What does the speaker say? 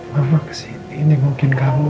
bapak kesini ini mungkin kamu